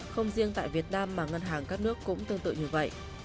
không riêng tại việt nam mà ngân hàng các nước cũng tương tự như vậy